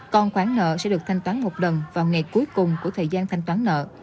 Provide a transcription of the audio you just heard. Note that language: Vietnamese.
còn khoản nợ sẽ được thanh toán một lần vào ngày cuối cùng của thời gian thanh toán nợ